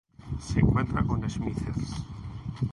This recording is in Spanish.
Se encuentra con Smithers.